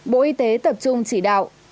năm bộ y tế tập trung chỉ đạo